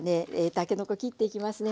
たけのこ切っていきますね。